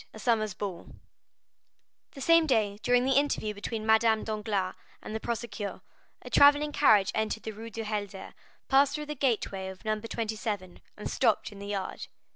A Summer Ball The same day during the interview between Madame Danglars and the procureur, a travelling carriage entered the Rue du Helder, passed through the gateway of No. 27, and stopped in the yard.